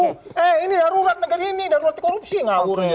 eh ini darurat negeri ini darurat korupsi ngawurnya